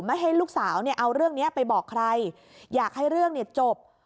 ไม่ให้ลูกสาวเอาเรื่องนี้ไปบอกใครอยากให้เรื่องจบ